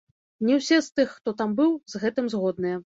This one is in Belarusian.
Не ўсе, з тых, хто там быў, з гэтым згодныя.